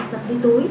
và giật đi túi